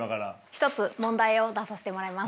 １つ問題を出させてもらいます。